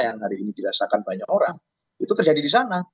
yang hari ini dirasakan banyak orang itu terjadi di sana